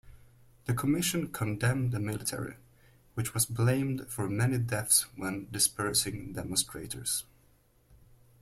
The Commission condemned the military, which was blamed for many deaths when dispersing demonstrators.